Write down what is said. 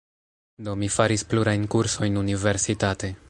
Do mi faris plurajn kursojn universitate.